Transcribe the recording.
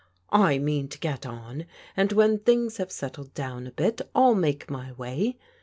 " I mean to get on, and when things have settled down a bit I'll make my way.